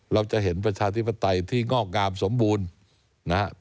เราจะเห็นประชาเทศปฏิที่งอกงามสมบูรณ์นะฮะ